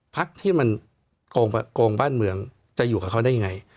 พักที่มันโกงบ้านเมืองจะอยู่กับเขาได้ยังไง